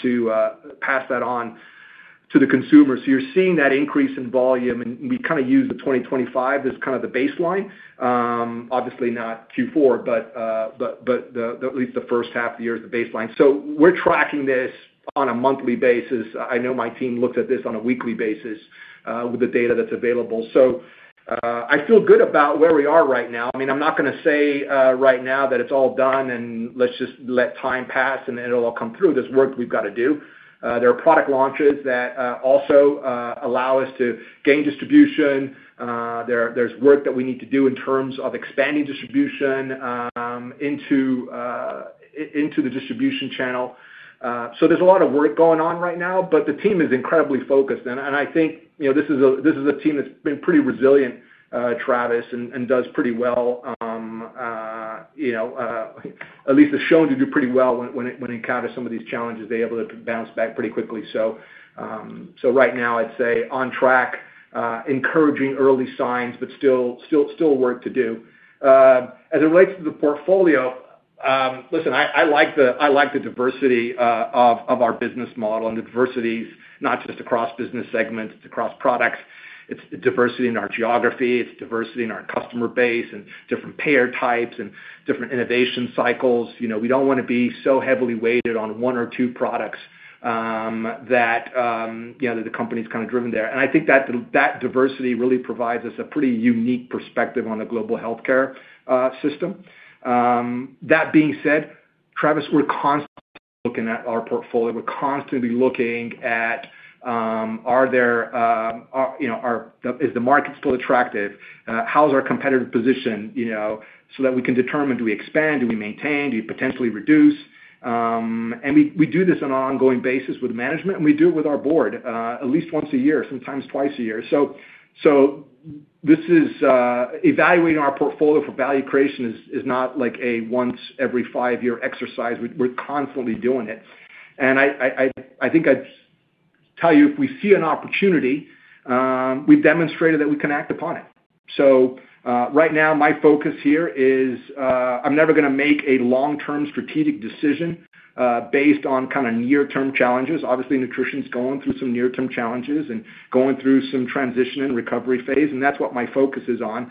to the consumer. You're seeing that increase in volume, and we kind of use the 2025 as kind of the baseline. Obviously not Q4, but at least the first half of the year as the baseline. We're tracking this on a monthly basis. I know my team looks at this on a weekly basis with the data that's available. I feel good about where we are right now. I'm not going to say right now that it's all done and let's just let time pass and it'll all come through. There's work we've got to do. There are product launches that also allow us to gain distribution. There's work that we need to do in terms of expanding distribution into the distribution channel. There's a lot of work going on right now, but the team is incredibly focused, and I think this is a team that's been pretty resilient, Travis, and does pretty well. At least has shown to do pretty well when it encounters some of these challenges. They're able to bounce back pretty quickly. Right now, I'd say on track, encouraging early signs, but still work to do. As it relates to the portfolio, listen, I like the diversity of our business model and the diversity not just across business segments, it's across products. It's the diversity in our geography, it's diversity in our customer base, and different payer types and different innovation cycles. We don't want to be so heavily weighted on one or two products that the company's kind of driven there. I think that diversity really provides us a pretty unique perspective on the global healthcare system. That being said, Travis, we're constantly looking at our portfolio, we're constantly looking at, is the market still attractive? How's our competitive position? So that we can determine, do we expand? Do we maintain? Do you potentially reduce? We do this on an ongoing basis with management, and we do it with our board at least once a year, sometimes twice a year. Evaluating our portfolio for value creation is not like a once every five-year exercise. We're constantly doing it. I think I'd tell you, if we see an opportunity, we've demonstrated that we can act upon it. Right now my focus here is, I'm never going to make a long-term strategic decision based on near-term challenges. Obviously, nutrition's going through some near-term challenges and going through some transition and recovery phase, and that's what my focus is on,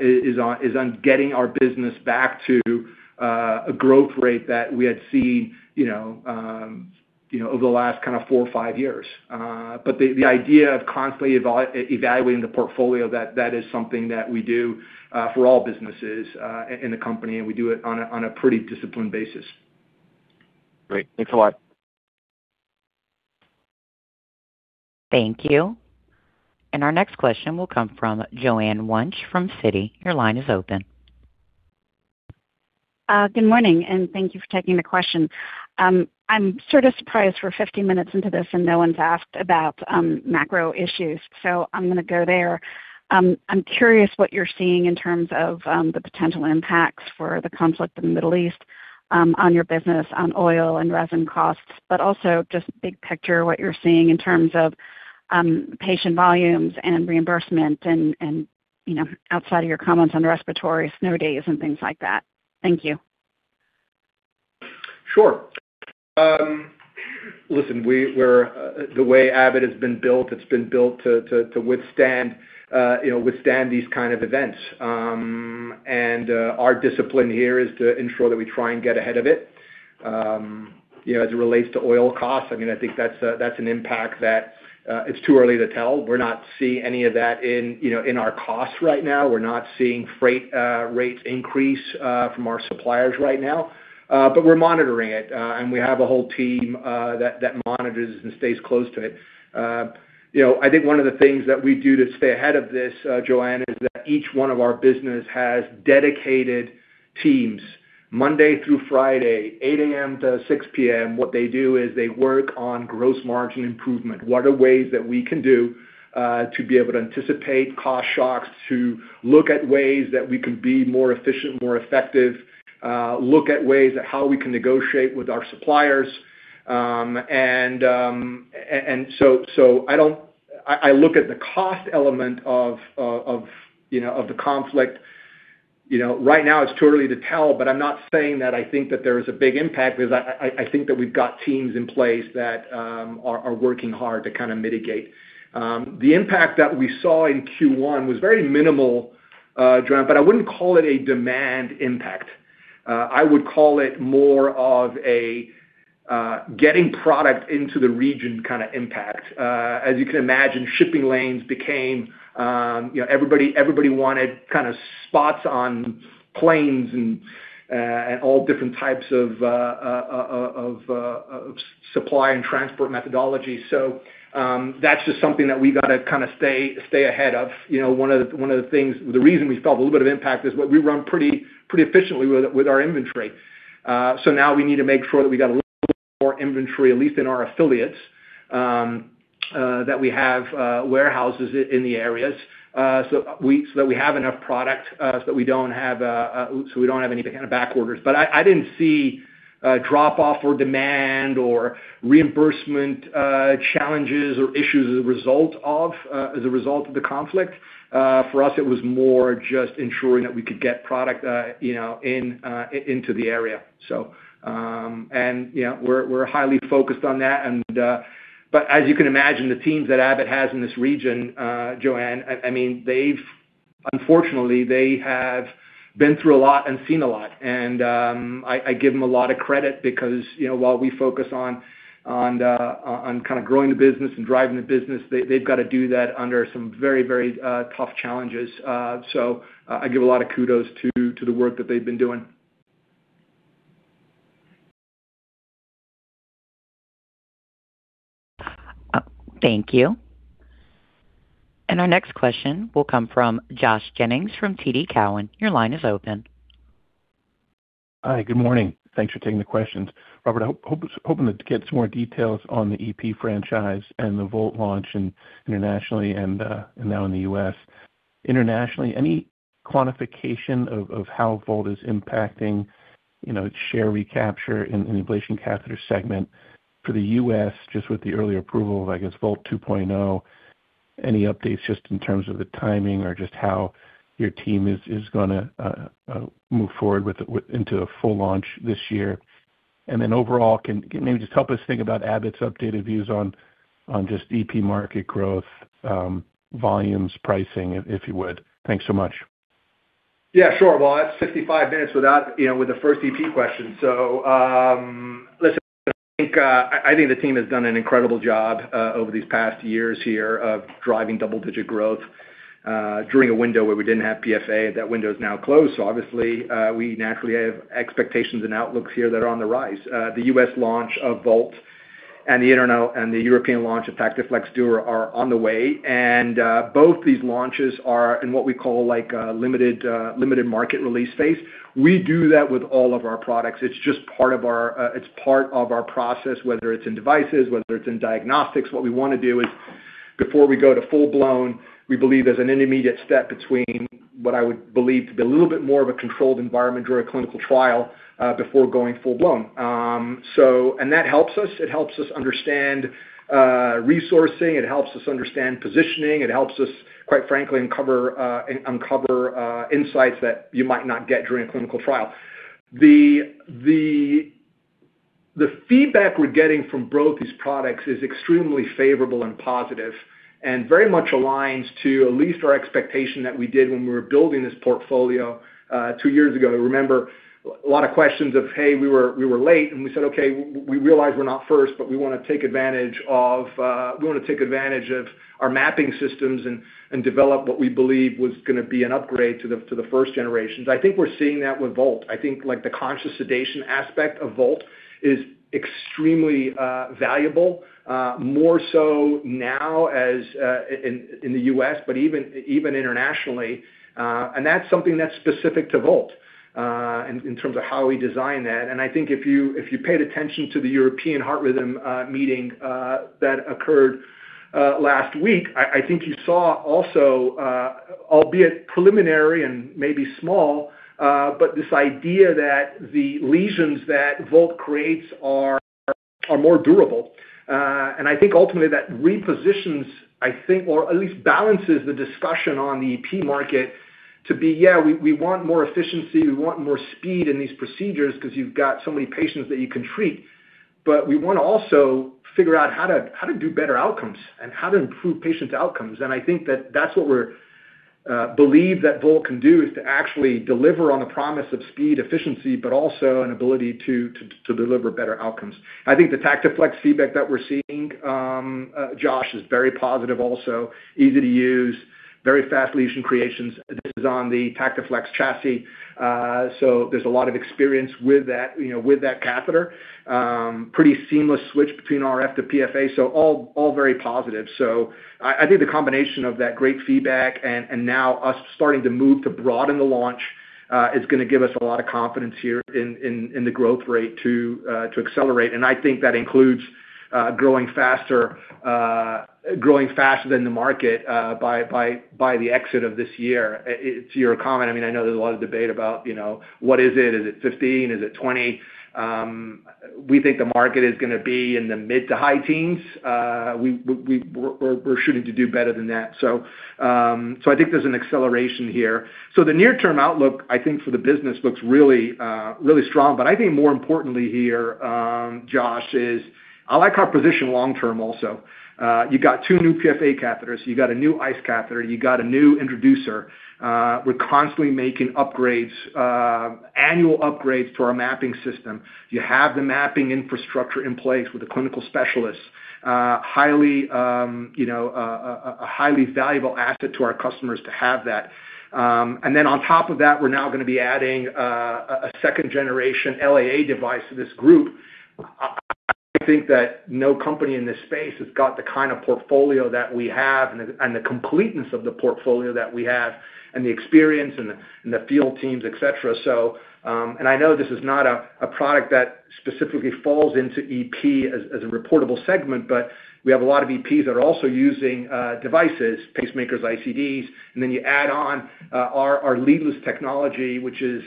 is on getting our business back to a growth rate that we had seen over the last four or five years. The idea of constantly evaluating the portfolio, that is something that we do for all businesses in the company, and we do it on a pretty disciplined basis. Great. Thanks a lot. Thank you. Our next question will come from Joanne Wuensch from Citi. Your line is open. Good morning, and thank you for taking the question. I'm sort of surprised we're 50 minutes into this and no one's asked about macro issues. I'm going to go there. I'm curious what you're seeing in terms of the potential impacts for the conflict in the Middle East on your business, on oil and resin costs, but also just big picture, what you're seeing in terms of patient volumes and reimbursement and outside of your comments on respiratory snow days and things like that. Thank you. Sure. Listen, the way Abbott has been built, it's been built to withstand these kind of events. Our discipline here is to ensure that we try and get ahead of it. As it relates to oil costs, I think that's an impact that it's too early to tell. We're not seeing any of that in our costs right now. We're not seeing freight rates increase from our suppliers right now. We're monitoring it. We have a whole team that monitors and stays close to it. I think one of the things that we do to stay ahead of this, Joanne, is that each one of our business has dedicated teams, Monday through Friday, 8:00 A.M. to 6:00 P.M. What they do is they work on gross margin improvement. What are ways that we can do to be able to anticipate cost shocks, to look at ways that we can be more efficient, more effective, look at ways at how we can negotiate with our suppliers. I look at the cost element of the conflict. Right now it's too early to tell, but I'm not saying that I think that there is a big impact because I think that we've got teams in place that are working hard to kind of mitigate. The impact that we saw in Q1 was very minimal, Joanne, but I wouldn't call it a demand impact. I would call it more of a getting product into the region kind of impact. As you can imagine, shipping lanes became, everybody wanted kind of spots on planes and all different types of supply and transport methodology. That's just something that we've got to kind of stay ahead of. One of the things, the reason we felt a little bit of impact is we run pretty efficiently with our inventory. Now we need to make sure that we got a little bit more inventory, at least in our affiliates, that we have warehouses in the areas, so that we have enough product, so we don't have any kind of back orders. I didn't see a drop-off in demand or reimbursement challenges or issues as a result of the conflict. For us, it was more just ensuring that we could get product into the area. We're highly focused on that. As you can imagine, the teams that Abbott has in this region, Joanne, unfortunately, they have been through a lot and seen a lot. I give them a lot of credit because while we focus on kind of growing the business and driving the business, they've got to do that under some very tough challenges. I give a lot of kudos to the work that they've been doing. Thank you. Our next question will come from Josh Jennings from TD Cowen. Your line is open. Hi, good morning. Thanks for taking the questions. Robert, I'm hoping to get some more details on the EP franchise and the Volt launch internationally and now in the U.S. Internationally, any quantification of how Volt is impacting its share recapture in the ablation catheter segment? For the U.S. just with the early approval of, I guess, Volt 2.0, any updates just in terms of the timing or just how your team is going to move forward into a full launch this year? Overall, can you maybe just help us think about Abbott's updated views on just EP market growth, volumes, pricing, if you would? Thanks so much. Yeah, sure. Well, it's 55 minutes with the first EP question. Listen, I think the team has done an incredible job over these past years here of driving double-digit growth during a window where we didn't have PFA. That window is now closed. Obviously we naturally have expectations and outlooks here that are on the rise. The U.S. launch of Volt and the European launch of TactiFlex Duo are on the way. Both these launches are in what we call a limited market release phase. We do that with all of our products. It's just part of our process, whether it's in devices, whether it's in diagnostics. What we want to do is, before we go to full-blown, we believe there's an intermediate step between what I would believe to be a little bit more of a controlled environment during a clinical trial, before going full-blown. That helps us. It helps us understand resourcing. It helps us understand positioning. It helps us, quite frankly, uncover insights that you might not get during a clinical trial. The feedback we're getting from both these products is extremely favorable and positive, and very much aligns to at least our expectation that we did when we were building this portfolio two years ago. Remember a lot of questions of, "Hey, we were late." We said, "Okay, we realize we're not first, but we want to take advantage of our mapping systems and develop what we believe was going to be an upgrade to the first generations." I think we're seeing that with Volt. I think the conscious sedation aspect of Volt is extremely valuable, more so now in the U.S., but even internationally. That's something that's specific to Volt, in terms of how we design that. I think if you paid attention to the European Heart Rhythm Meeting that occurred last week, I think you saw also, albeit preliminary and maybe small, but this idea that the lesions that Volt creates are more durable. I think ultimately that repositions, or at least balances the discussion on the EP market to be, yeah, we want more efficiency, we want more speed in these procedures because you've got so many patients that you can treat. We want to also figure out how to do better outcomes and how to improve patients' outcomes. I think that's what we believe that Volt can do, is to actually deliver on the promise of speed, efficiency, but also an ability to deliver better outcomes. I think the TactiFlex feedback that we're seeing, Josh, is very positive also, easy to use, very fast lesion creations. This is on the TactiFlex chassis. There's a lot of experience with that catheter. Pretty seamless switch between RF to PFA. All very positive. I think the combination of that great feedback and now us starting to move to broaden the launch, is going to give us a lot of confidence here in the growth rate to accelerate. I think that includes growing faster than the market, by the exit of this year. To your comment, I know there's a lot of debate about what is it? Is it 15? Is it 20? We think the market is going to be in the mid to high teens. We're shooting to do better than that. I think there's an acceleration here. The near-term outlook, I think for the business, looks really strong. I think more importantly here, Josh, is I like our position long-term also. You got two new PFA catheters, you got a new ICE catheter, you got a new introducer. We're constantly making annual upgrades to our mapping system. You have the mapping infrastructure in place with the clinical specialists. A highly valuable asset to our customers to have that. Then on top of that, we're now going to be adding a second generation LAA device to this group. I think that no company in this space has got the kind of portfolio that we have, and the completeness of the portfolio that we have, and the experience, and the field teams, et cetera. I know this is not a product that specifically falls into EP as a reportable segment, but we have a lot of EPs that are also using devices, pacemakers, ICDs. Then you add on our leadless technology, which is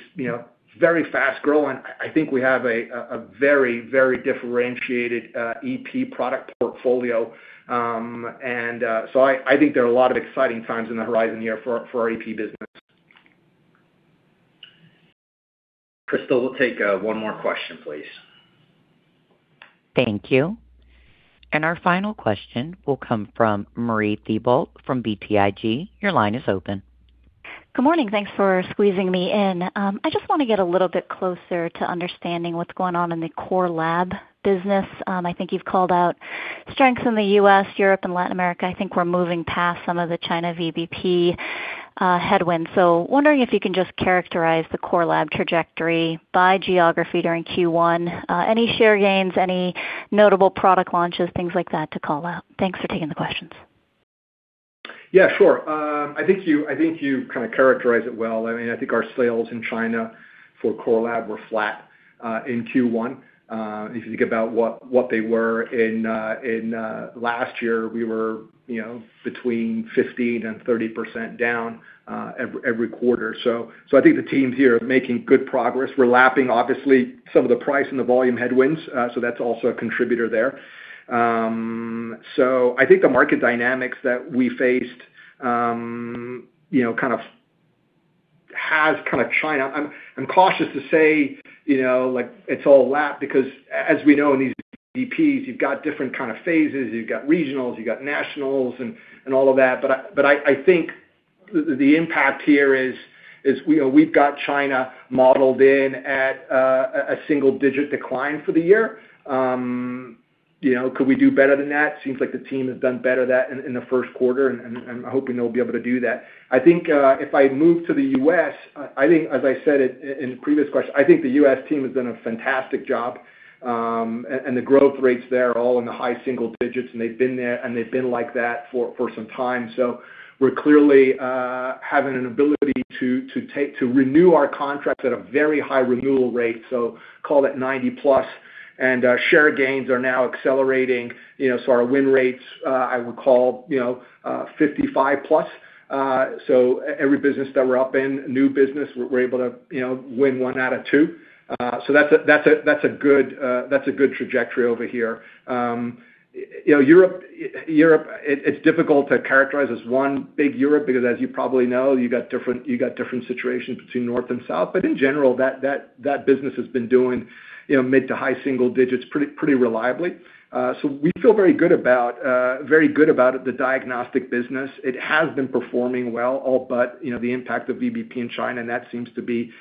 very fast-growing. I think we have a very differentiated EP product portfolio. I think there are a lot of exciting times on the horizon here for our EP business. Crystal, we'll take one more question, please. Thank you. Our final question will come from Marie Thibault from BTIG. Your line is open. Good morning. Thanks for squeezing me in. I just want to get a little bit closer to understanding what's going on in the Core Laboratory business. I think you've called out strengths in the U.S., Europe and Latin America. I think we're moving past some of the China VBP headwinds. Wondering if you can just characterize the Core Laboratory trajectory by geography during Q1. Any share gains, any notable product launches, things like that to call out. Thanks for taking the questions. Yeah, sure. I think you characterized it well. I think our sales in China for Core Lab were flat in Q1. If you think about what they were in last year, we were between 15%-30% down every quarter. I think the teams here are making good progress. We're lapping, obviously, some of the price and the volume headwinds. That's also a contributor there. I think the market dynamics that we faced. I'm cautious to say it's all lap because, as we know in these VBPs, you've got different kind of phases, you've got regionals, you've got nationals, and all of that. I think the impact here is we've got China modeled in at a single-digit decline for the year. Could we do better than that? Seems like the team has done better than that in the first quarter, and I'm hoping they'll be able to do that. I think if I move to the U.S., as I said it in the previous question, I think the U.S. team has done a fantastic job. The growth rates there are all in the high single digits, and they've been like that for some time. We're clearly having an ability to renew our contracts at a very high renewal rate. Call it 90%+, and share gains are now accelerating. Our win rates, I would call, 55%+. Every business that we're up in, new business, we're able to win one out of two. That's a good trajectory over here. Europe, it's difficult to characterize as one big Europe because as you probably know, you got different situations between north and south. In general, that business has been doing mid- to high-single-digits pretty reliably. We feel very good about the diagnostic business. It has been performing well, all but the impact of VBP in China, and that seems to be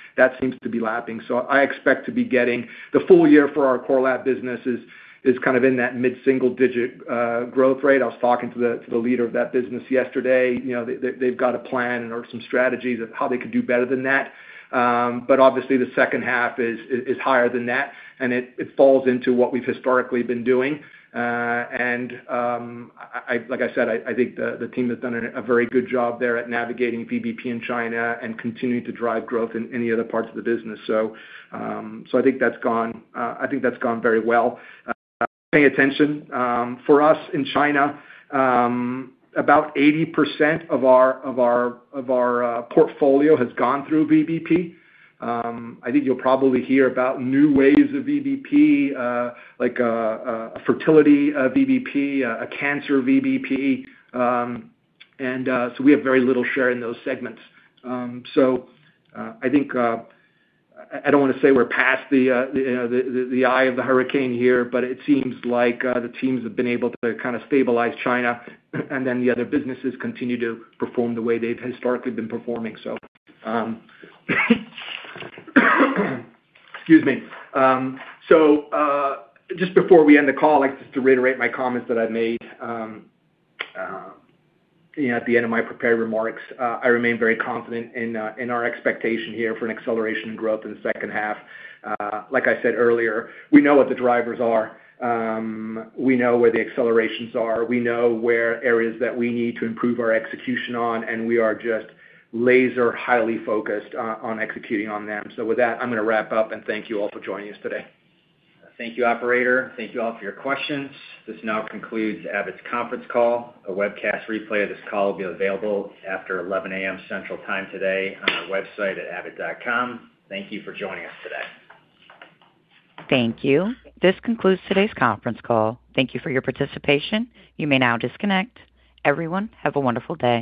lapping. I expect to be getting the full year for our Core Lab business is kind of in that mid-single-digit growth rate. I was talking to the leader of that business yesterday. They've got a plan and there are some strategies of how they could do better than that. Obviously, the second half is higher than that, and it falls into what we've historically been doing. Like I said, I think the team has done a very good job there at navigating VBP in China and continuing to drive growth in the other parts of the business. I think that's gone very well. Pay attention. For us in China, about 80% of our portfolio has gone through VBP. I think you'll probably hear about new waves of VBP, like a fertility VBP, a cancer VBP, so we have very little share in those segments. I think, I don't want to say we're past the eye of the hurricane here, but it seems like the teams have been able to kind of stabilize China, and then the other businesses continue to perform the way they've historically been performing. Excuse me. Just before we end the call, I'd like just to reiterate my comments that I made at the end of my prepared remarks. I remain very confident in our expectation here for an acceleration in growth in the second half. Like I said earlier, we know what the drivers are. We know where the accelerations are. We know the areas that we need to improve our execution on, and we are just laser-focused on executing on them. With that, I'm going to wrap up and thank you all for joining us today. Thank you, operator. Thank you all for your questions. This now concludes Abbott's conference call. A webcast replay of this call will be available after 11:00 A.M. Central Time today on our website at abbott.com. Thank you for joining us today Thank you. This concludes today's conference call. Thank you for your participation. You may now disconnect. Everyone, have a wonderful day.